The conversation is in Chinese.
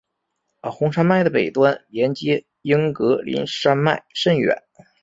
红山脉的北端连接英格林山脉甚远。